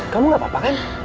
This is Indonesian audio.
kamu gak apa apa kan